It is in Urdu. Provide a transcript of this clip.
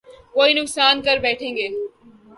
کوئی نقصان کر بیٹھیں گے